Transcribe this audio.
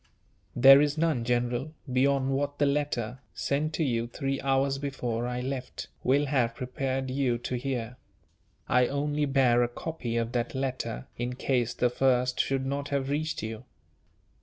"There is none, General, beyond what the letter, sent to you three hours before I left, will have prepared you to hear. I only bear a copy of that letter, in case the first should not have reached you."